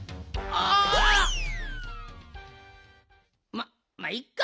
まっまあいっか。